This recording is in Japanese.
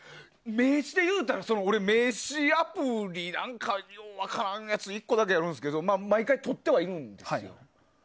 名刺でいえば俺、名刺アプリよう分からんやつが１個だけあるんですけど毎回とってるんですよ。